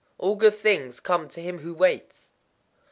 All good things come to him who waits.